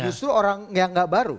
justru orang yang nggak baru